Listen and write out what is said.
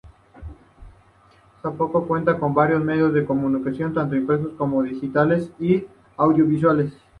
Zacapu cuenta con varios medios de comunicación tanto impresos, como digitales y audiovisuales.